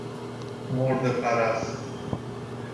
مرده پرست